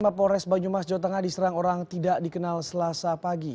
mapores banyumas jawa tengah diserang orang tidak dikenal selasa pagi